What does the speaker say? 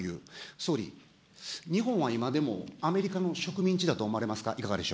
総理、日本は今でも、アメリカの植民地だと思われますか。